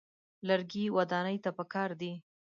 لرګي ودانۍ ته پکار دي.